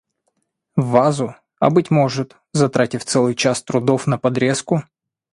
в вазу, а быть может, затратив целый час трудов на подрезку,